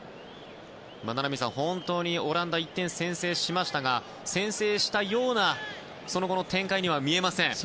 名波さん、本当にオランダは１点先制しましたが先制したようなその後の展開には見えません。